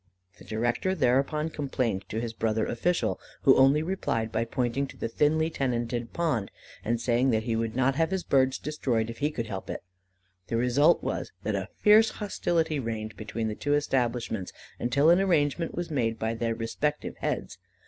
The director thereupon complained to his brother official, who only replied by pointing to the thinly tenanted pond, and saying that he would not have his birds destroyed if he could help it. The result was that a fierce hostility reigned between the two establishments, until an arrangement was made by their respective heads.